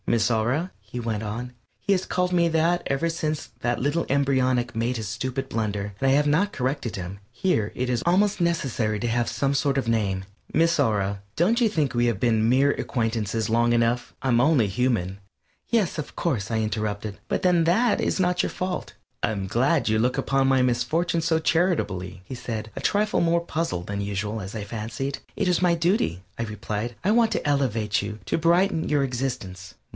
"Miss Aura," he went on, he has called me that ever since that little embryonic made his stupid blunder, and I have not corrected him here it is almost necessary to have some sort of a name "Miss Aura, don't you think we have been mere acquaintances long enough? I'm only human " "Yes, of course," I interrupted, "but then that is not your fault " "I'm glad you look upon my misfortune so charitably," he said, a trifle more puzzled than usual, as I fancied. "It is my duty," I replied. "I want to elevate you; to brighten your existence."